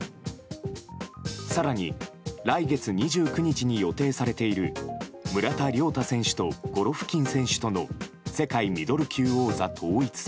更に来月２９日に予定されている村田諒太選手とゴロフキン選手との世界ミドル級王座統一戦。